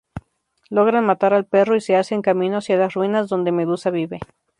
Logran matar al perro y se hacen camino hacia las ruinas donde Medusa vive.